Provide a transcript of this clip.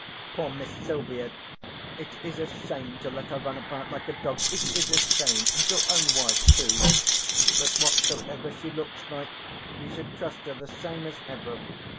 Poor Miss Silvia! It is a shame to let her run about like a dog. It is a shame, and your own wife too. But whatever she looks like, you should trust her the same as ever.